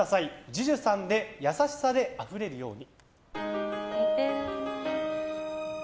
ＪＵＪＵさんで「やさしさで溢れるように」。